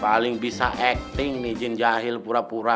paling bisa acting nih izin jahil pura pura